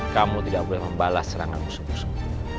kamu tidak boleh membalas serangan musuh musuh